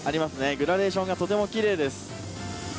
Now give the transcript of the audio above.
グラデーションがとてもきれいです。